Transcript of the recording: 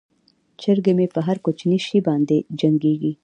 چرګې مې په هر کوچني شي باندې جنګیږي.